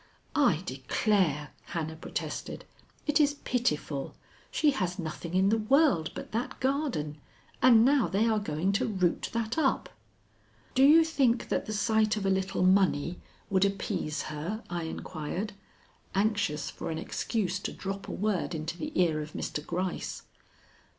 "I declare!" Hannah protested. "It is pitiful. She has nothing in the world but that garden, and now they are going to root that up." "Do you think that the sight of a little money would appease her?" I inquired, anxious for an excuse to drop a word into the ear of Mr. Gryce.